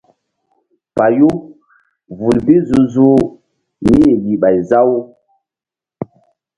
Payu vul bi zu-zuh mí-i yih ɓay za-u.